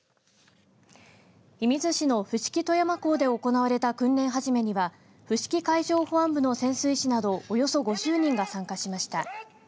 射水市の伏木富山港で行われた訓練始めには伏木海上保安部の潜水士などおよそ５０人が参加しました。